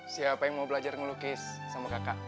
siapa yang mau belajar ngelukis sama kakak